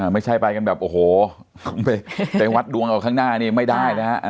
ไม่ใช่ไปกันแบบโอ้โหไปวัดดวงเอาข้างหน้านี่ไม่ได้นะฮะ